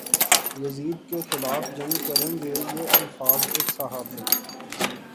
یزید کے خلاف جنگ کریں گے یہ الفاظ ایک صحابی